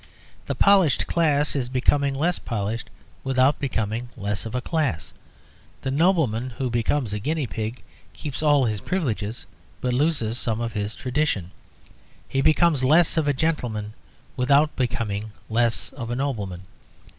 The polished class is becoming less polished without becoming less of a class; the nobleman who becomes a guinea pig keeps all his privileges but loses some of his tradition; he becomes less of a gentleman without becoming less of a nobleman.